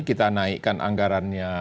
kita naikkan anggarannya